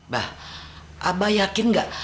bah abah yakin gak